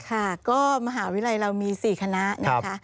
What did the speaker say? ค่ะก็มหาวิทยาลัยเรามี๔คณะนะคะ